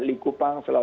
likupang sulawesi utara